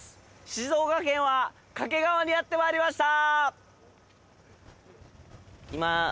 静岡県は掛川にやって参りました